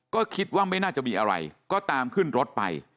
ก็คิดว่าไม่น่าจะมีอะไรก็ตามขึ้นรถไป